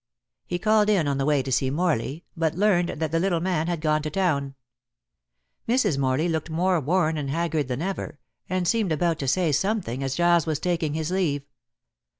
He called in on the way to see Morley, but learned that the little man had gone to town. Mrs. Morley looked more worn and haggard than ever, and seemed about to say something as Giles was taking his leave.